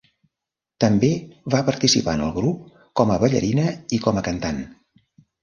També va participar en el grup com a ballarina i com a cantant.